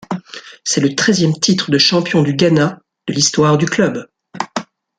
C'est le treizième titre de champion du Ghana de l'histoire du club.